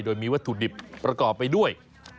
โดยมีวัตถุดิบประกอบไปด้วย